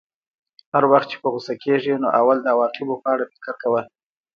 هر وخت چې په غوسه کېږې نو اول د عواقبو په اړه فکر کوه.